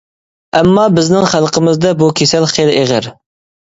ئەمما بىزنىڭ خەلقىمىزدە بۇ كېسەل خېلى ئېغىر.